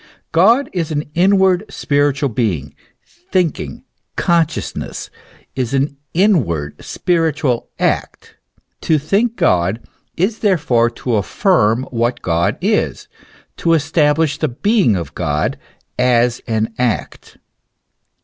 God is an inward, spiritual being; thinking, consciousness, is an inward, spiritual act; to think God is therefore to affirm what God is, to establish the being of God as an act.